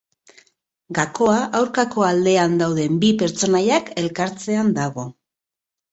Gakoa aurkako aldean dauden bi pertsonaiak elkartzean dago.